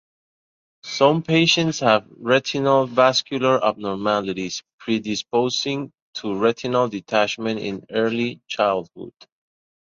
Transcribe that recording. Some patients have retinal vascular abnormalities predisposing to retinal detachment in early childhood.